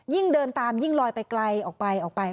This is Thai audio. เดินตามยิ่งลอยไปไกลออกไปออกไป